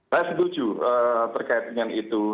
saya setuju terkait dengan itu